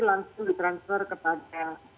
langsung ditransfer kepada